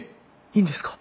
いいんですか？